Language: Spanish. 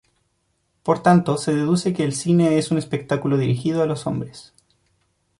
Por tanto, se deduce, que el cine es un espectáculo dirigido a los hombres.